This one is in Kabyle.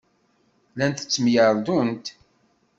Llant ttemyerdunt.